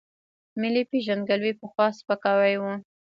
ملي پېژندګلوۍ پخوا سپکاوی و.